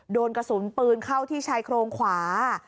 โดนกระสุนปืนเข้าที่ชายโครงขวา